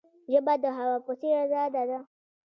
ژبه د هوا په څیر آزاده ده.